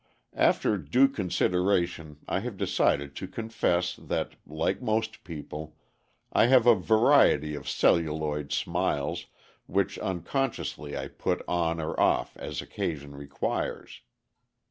After due consideration I have decided to confess that like most people I have a variety of "celluloid smiles" which unconsciously I put on or off as occasion requires.